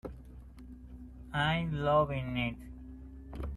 I'm loving it.